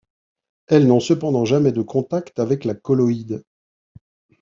Elles n'ont cependant jamais de contact avec la colloïde.